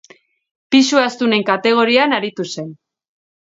Pisu astunen kategorian aritu zen.